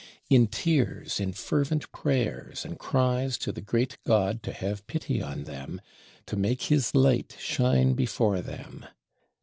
In tears, in fervent prayers, and cries to the great God, to have pity on them, to make His light shine before them.